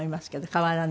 変わらない。